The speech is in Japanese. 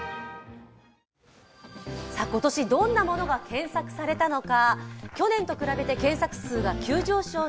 今年どんなものが検索されたのか。